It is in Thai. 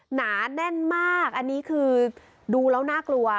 หนาแน่นมากอันนี้คือดูแล้วน่ากลัว